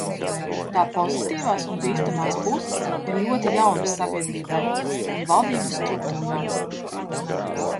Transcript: Tā pozitīvās un bīstamās puses ir ļoti jaunas sabiedrībai un valdības struktūrām.